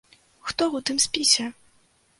Хто ў тым спісе?